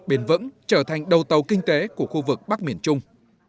bền vững trở thành đầu tàu kinh tế của khu vực bắc miền trung